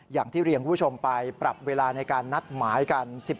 อย่างที่เรียนคุณผู้ชมไปปรับเวลาในการนัดหมายกัน